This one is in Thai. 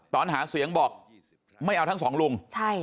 ตอนหาเสียงบอกไม่เอาทั้งสองลุง